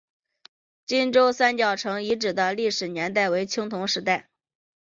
金川三角城遗址的历史年代为青铜时代。